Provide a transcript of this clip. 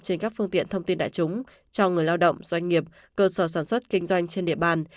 trên các phương tiện thông tin đại chúng cho người lao động doanh nghiệp cơ sở sản xuất kinh doanh trên địa bàn